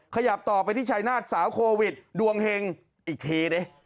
ขยับต่อไปที่ชายนาฏสาวโควิดดวงเฮงอีกทีดิ